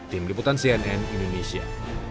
tim liputan cnn indonesia